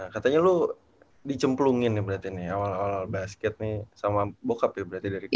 katanya lo dicemplungin nih berarti nih awal awal basket nih sama bokap ya berarti dari kita